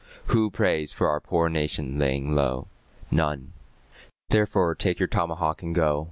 Who prays for our poor nation lying low? None therefore take your tomahawk and go.